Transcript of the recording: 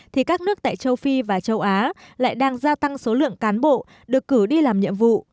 thì các nước tại châu phi và châu á lại đang gia tăng số lượng cán bộ được cử đi làm nhiệm vụ